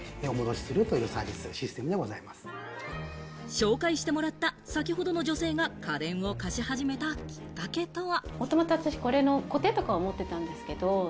紹介してもらった、先ほどの女性が家電を貸し始めたきっかけとは。